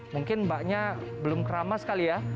mungkin mbaknya belum kerama sekali ya